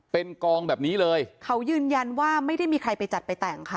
เป็นกองแบบนี้เลยเขายืนยันว่าไม่ได้มีใครไปจัดไปแต่งค่ะ